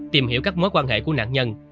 tìm hiểu các mối quan hệ của nạn nhân